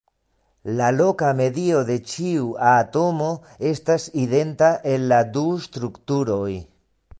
La loka medio de ĉiu atomo estas identa en la du strukturoj.